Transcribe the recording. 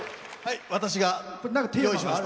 私が用意しました。